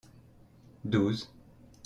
douze.